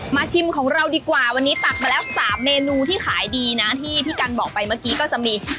ชิมของเราดีกว่าวันนี้ตักมาแล้ว๓เมนูที่ขายดีนะที่พี่กันบอกไปเมื่อกี้ก็จะมี